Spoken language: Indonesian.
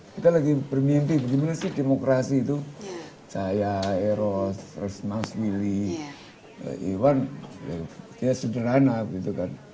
kita lagi bermimpi bagaimana sih demokrasi itu saya eros mas willy iwan ya sederhana gitu kan